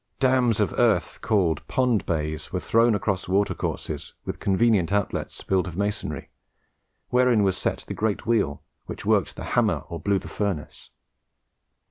Dams of earth, called "pond bays," were thrown across watercourses, with convenient outlets built of masonry, wherein was set the great wheel which worked the hammer or blew the furnace.